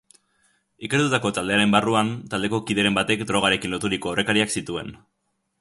Ikertutako taldearen barruan, taldeko kideren batek drogarekin loturiko aurrekariak zituen.